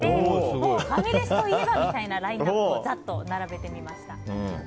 もうファミレスといえばというラインアップを並べてみました。